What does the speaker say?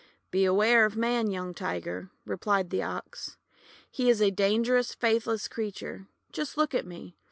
"Beware of Man, young Tiger," replied the Ox. "He is a dangerous, faithless creature. Just look at me.